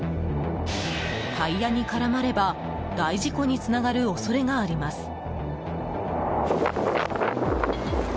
タイヤに絡まれば大事故につながる恐れがあります。